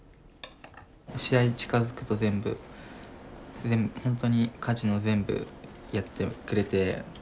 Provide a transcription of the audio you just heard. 試合近づくと全部ほんとに家事も全部やってくれて。